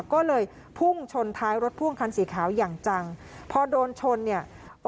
ก็เลยพุ่งชนท้ายรถพ่วงคันสีขาวอย่างจังพอโดนชนเนี่ย